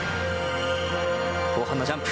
後半のジャンプ。